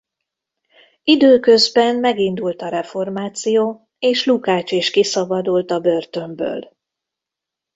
Időközben megindult a reformáció és Lukács is kiszabadult a börtönből.